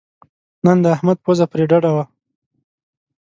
نن د احمد پوزه پرې ډډه وه.